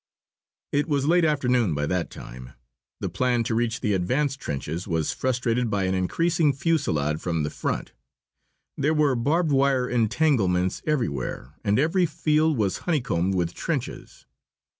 It was late afternoon by that time. The plan to reach the advanced trenches was frustrated by an increasing fusillade from the front. There were barbed wire entanglements everywhere, and every field was honeycombed with trenches.